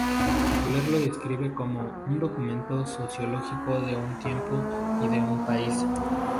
Soler lo describe como "un documento sociológico de un tiempo y de un país".